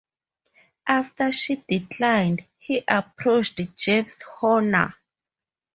After she declined, he approached James Horner.